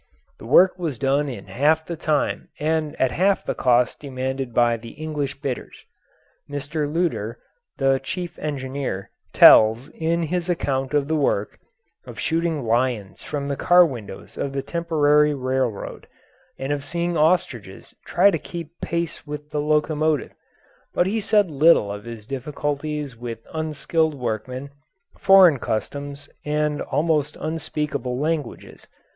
The work was done in half the time and at half the cost demanded by the English bidders. Mr. Lueder, the chief engineer, tells, in his account of the work, of shooting lions from the car windows of the temporary railroad, and of seeing ostriches try to keep pace with the locomotive, but he said little of his difficulties with unskilled workmen, foreign customs, and almost unspeakable languages.